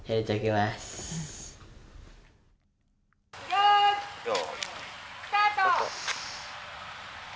よーい、スタート。